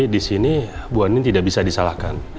di sini bu ani tidak bisa disalahkan